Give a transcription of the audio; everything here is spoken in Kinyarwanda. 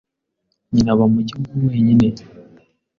Nyina aba mu gihugu wenyine.